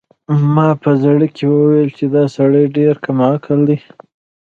ما په زړه کې وویل چې دا سړی ډېر کم عقل دی.